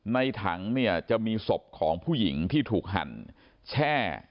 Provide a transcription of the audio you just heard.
ถังเนี่ยจะมีศพของผู้หญิงที่ถูกหั่นแช่